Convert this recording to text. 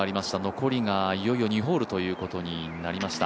残りがいよいよ２ホールということになりました。